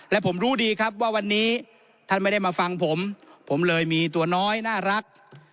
และผมรู้ดีครับว่าวันนี้ท่านไม่ได้มาฟังผมผมเลยมีตัวน้อยน่ารัก